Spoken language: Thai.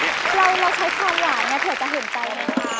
เราจะใช้ความหวานเผื่อจะเห็นใจ